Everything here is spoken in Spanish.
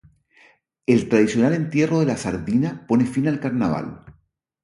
El tradicional Entierro de la Sardina pone fin al Carnaval.